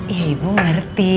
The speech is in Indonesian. ya ibu ngerti